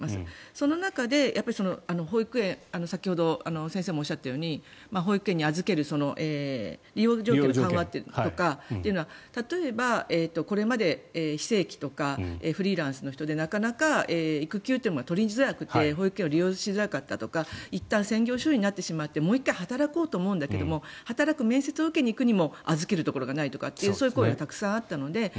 その中で先ほど先生もおっしゃったように保育所に預ける利用条件の緩和とかというのは例えば、これまで非正規とかフリーランスの人でなかなか育休というものが取りづらくて保育所を利用しづらかったとかいったん専業主婦になってしまってもう１回働こうと思うんだけれども働く、面接を受けに行くにも預けるところがないとかそういう声がたくさんあったので。